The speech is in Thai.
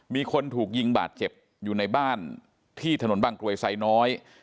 มีคนถูกยิงบาดเจ็บอยู่ในบ้านที่ถนนบางกรวยไซน้อย